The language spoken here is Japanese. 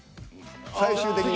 最終的に。